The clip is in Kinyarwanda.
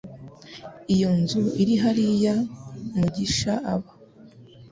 Iyo nzu iri hariya mugisha aba.